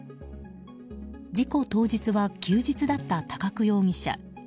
事故当日は休日だった高久容疑者。